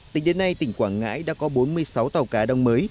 tính đến nay tỉnh quảng ngãi đã có bốn mươi sáu tàu cá đóng mới